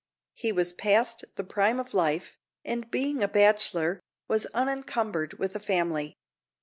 He was past the prime of life, and being a bachelor, was unencumbered with a family.